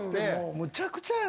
むちゃくちゃやんな。